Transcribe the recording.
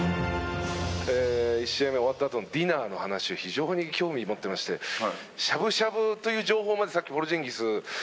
１試合目終わったあとのディナーの話非常に興味持ってましてしゃぶしゃぶという情報をさっきポルジンギスから聞きまして。